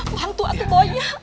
bantu aku boy ya